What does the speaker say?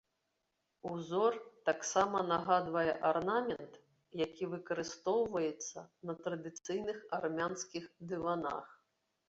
Узор таксама нагадвае арнамент, які выкарыстоўваецца на традыцыйных армянскіх дыванах.